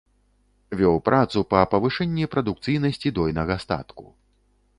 Вёў працу па павышэнні прадукцыйнасці дойнага статку.